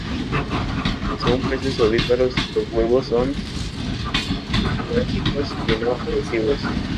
Son peces ovíparos, los huevos son pelágicos y no adhesivos.